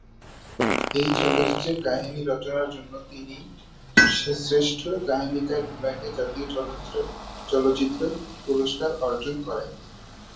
এই চলচ্চিত্রের কাহিনি রচনার জন্য তিনি শ্রেষ্ঠ কাহিনীকার বিভাগে জাতীয় চলচ্চিত্র পুরস্কার অর্জন করেন।